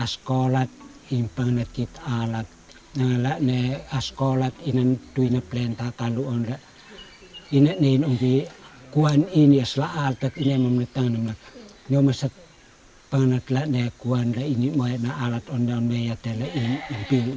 sebenarnya suku boti merupakan suku asli daratan dawan atau orang timur